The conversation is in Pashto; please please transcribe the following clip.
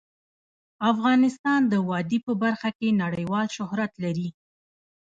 افغانستان د وادي په برخه کې نړیوال شهرت لري.